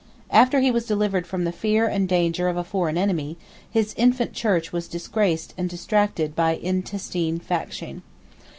After he was delivered from the fear and danger of a foreign enemy, his infant church was disgraced and distracted by intestine faction.